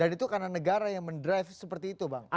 itu karena negara yang mendrive seperti itu bang